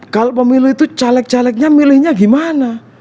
kalau pemilu itu caleg calegnya milihnya gimana